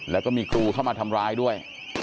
แล้วก็มีครูเข้ามาทำร้ายด้วย